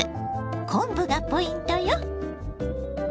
昆布がポイントよ。